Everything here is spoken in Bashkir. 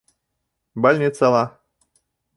Больницала